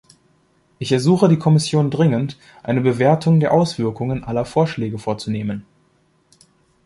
Ich ersuche die Kommission dringend, eine Bewertung der Auswirkungen aller Vorschläge vorzunehmen.